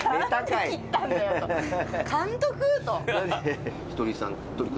「監督」と。